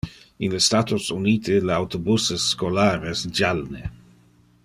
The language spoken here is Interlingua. In le Statos Unite, le autobuses scholar es jalne.